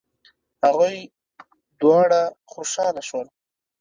هغوی دواړه خوشحاله شول.